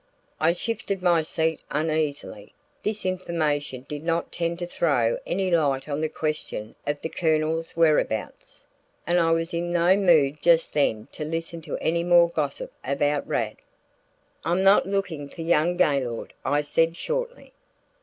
I shifted my seat uneasily. This information did not tend to throw any light on the question of the Colonel's whereabouts, and I was in no mood just then to listen to any more gossip about Rad. "I'm not looking for young Gaylord," I said shortly.